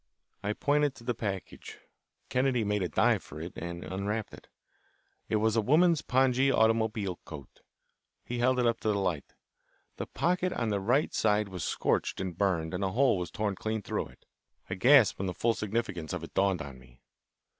I pointed to the package. Kennedy made a dive for it and unwrapped it. It was a woman's pongee automobile coat. He held it up to the light. The pocket on the right hand side was scorched and burned, and a hole was torn clean through it. I gasped when the full significance of it dawned on me.